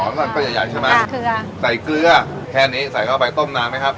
อ๋อน้ำก็ใหญ่ใหญ่ใช่ไหมคือใส่เกลือแค่นี้ใส่เข้าไปต้มน้ำไหมครับ